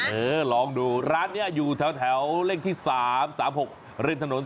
เออลองดูร้านนี้อยู่แถวเลขที่๓๓๖ริมถนน